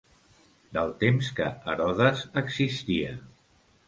Del temps que Herodes existia.